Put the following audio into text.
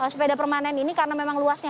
sepeda permanen ini karena memang luasnya